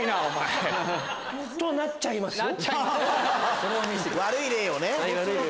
となっちゃいますよ。